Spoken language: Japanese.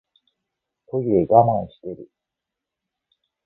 トイレ我慢してる